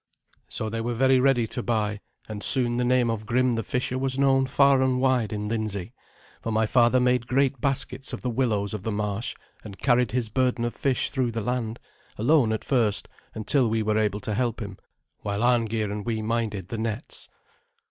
So they were very ready to buy, and soon the name of Grim the fisher was known far and wide in Lindsey, for my father made great baskets of the willows of the marsh, and carried his burden of fish through the land, alone at first, until we were able to help him, while Arngeir and we minded the nets.